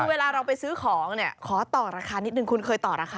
เวลาเราไปซื้อของเนี่ยขอต่อราคานิดนึงคุณเคยต่อราคา